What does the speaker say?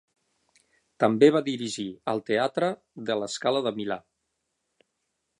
També va dirigir al Teatre de La Scala de Milà.